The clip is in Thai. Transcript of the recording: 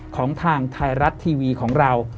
ของทางไทยรัฐทีวีของเรา